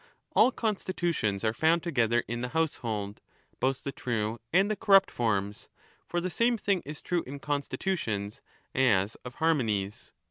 * All constitutions are found together in the household, both the true and the corrupt forms, for the same thing is true in constitutions ^ as of harmonies.